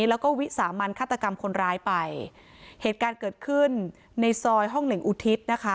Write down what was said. แล้วก็วิสามันฆาตกรรมคนร้ายไปเหตุการณ์เกิดขึ้นในซอยห้องหนึ่งอุทิศนะคะ